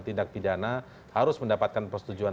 tindak pidana harus mendapatkan persetujuan